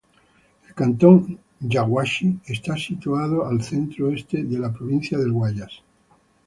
El cantón "Yaguachi" está situado al centro este de la provincia del Guayas.